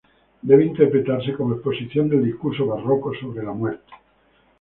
Debe interpretarse como exposición del discurso barroco sobre la muerte.